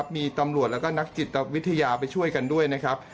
มีตำรวจแล้วก็นักจิตวิทยาไปช่วยกันด้วยนะครับ